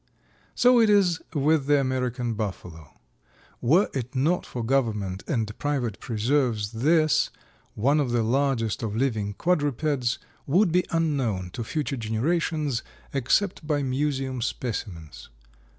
So it is with the American Buffalo. Were it not for government and private preserves this, one of the largest of living quadrupeds, would be unknown to future generations except by museum specimens.